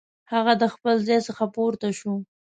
هغه د خپل ځای څخه پورته شو.